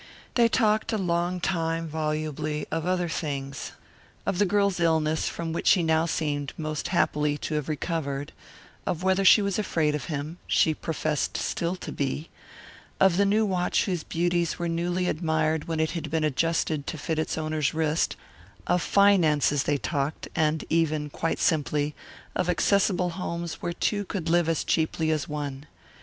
They talked a long tune volubly of other things: of the girl's illness from which she now seemed most happily to have recovered, of whether she was afraid of him she professed still to be of the new watch whose beauties were newly admired when it had been adjusted to its owner's wrist; of finances they talked, and even, quite simply, of accessible homes where two could live as cheaply as one.